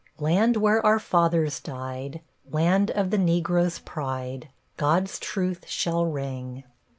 Land where our fathers died, Land of the Negro's pride, God's truth shall ring.